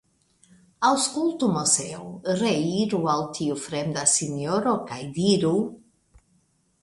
Aŭskultu, Moseo; reiru al tiu fremda sinjoro kaj diruk